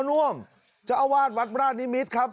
น่วมเจ้าอาวาสวัดราชนิมิตรครับ